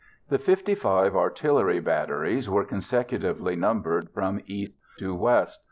The 55 artillery batteries were consecutively numbered from east to west.